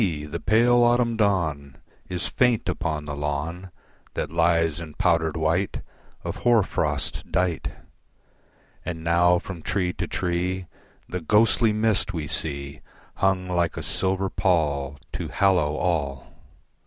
the pale autumn dawn Is faint, upon the lawn That lies in powdered white Of hoar frost dight And now from tree to tree The ghostly mist we see Hung like a silver pall To hallow all.